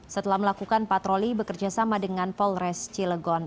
setelah melakukan patroli bekerja sama dengan polres cilegon